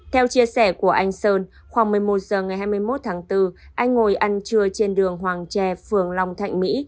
theo chia sẻ của anh sơn khoảng một mươi một h ngày hai mươi một tháng bốn anh ngồi ăn trưa trên đường hoàng tre phường long thạnh mỹ